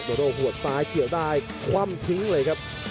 โด่หัวซ้ายเกี่ยวได้คว่ำทิ้งเลยครับ